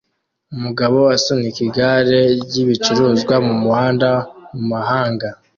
Umugabo asunika igare ryibicuruzwa mumuhanda mumahanga